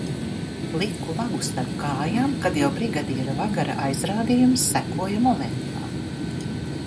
Liku vagu starp kājām, kad jau brigadiera-vagara aizrādījums sekoja momentā.